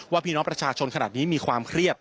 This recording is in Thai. พี่น้องประชาชนขนาดนี้มีความเครียด